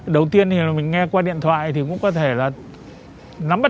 đầu tiên thì mình nghe qua điện thoại thì cũng có thể là